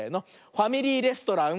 「ファミリーレストラン」。